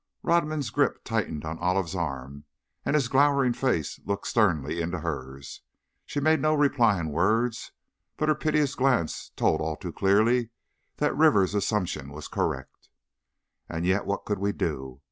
Rodman's grip tightened on Olive's arm, and his glowering face looked sternly into hers. She made no reply in words, but her piteous glance told all too clearly that Rivers' assumption was correct. And yet, what could we do?